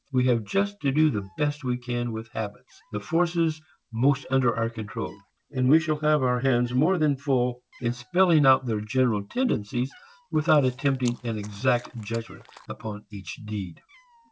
We have just to do the best we can with habits, the forces most under our control; and we shall have our hands more than full in spelling out their general tendencies without attempting an exact judgment upon each deed.